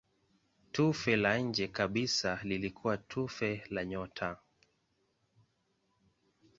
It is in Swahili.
Tufe la nje kabisa lilikuwa tufe la nyota.